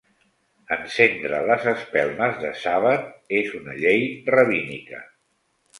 Encendre les espelmes de sàbat és una llei rabínica.